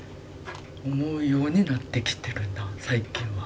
思うようになってきてるな最近は。